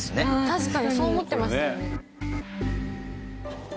確かにそう思ってましたね。